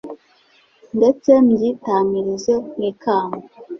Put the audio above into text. ndetse mbyitamirize nk'ikamba